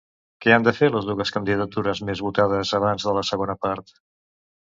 Què han de fer les dues candidatures més votades abans de la segona part?